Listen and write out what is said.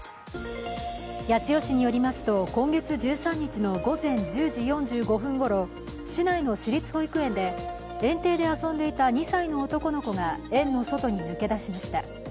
八千代市によりますと今月１３日の午前１０時４５分ごろ市内の私立保育園で園庭で遊んでいた２歳の男の子が園の外に抜け出しました。